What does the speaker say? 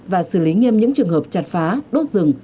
và xử lý nghiêm những trường hợp chặt phá đốt rừng